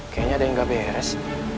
kayaknya ada yang gak beres